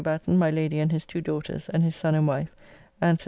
Batten, my Lady, and his two daughters and his son and wife, and Sir W.